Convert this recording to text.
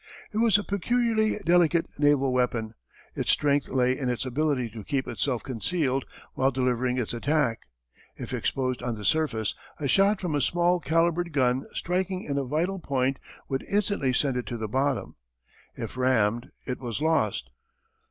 It was a peculiarly delicate naval weapon. Its strength lay in its ability to keep itself concealed while delivering its attack. If exposed on the surface a shot from a small calibred gun striking in a vital point would instantly send it to the bottom. If rammed it was lost.